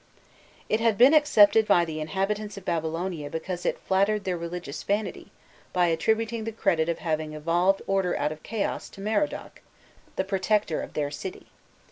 * It had been accepted by the inhabitants of Babylon because it flattered their religious vanity by attributing the credit of having evolved order out of chaos to Merodach, the protector of their city.